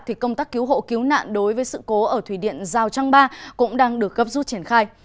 thì công tác cứu hộ cứu nạn đối với sự cố ở thủy điện giao trang ba cũng đang được gấp rút triển khai